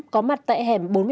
có mặt tại hẻm bốn mươi ba